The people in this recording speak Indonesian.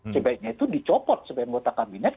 sebaiknya itu dicopot sebagai anggota kabinet